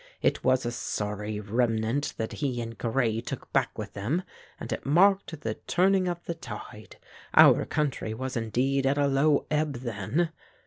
It was a sorry remnant that he and Grey took back with them, and it marked the turning of the tide. Our country was indeed at a low ebb then.